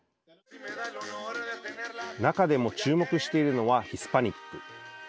中でも注目しているのはヒスパニック。